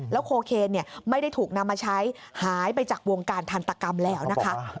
โคเคนไม่ได้ถูกนำมาใช้หายไปจากวงการทันตกรรมแล้วนะคะ